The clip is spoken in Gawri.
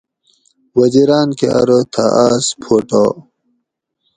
وزیراۤن کہ اۤرو تھہ آۤس پھوٹا